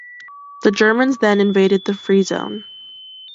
The Germans then invaded the Free Zone.